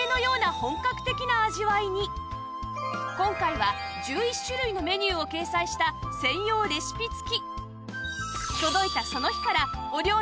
今回は１１種類のメニューを掲載した専用レシピ付き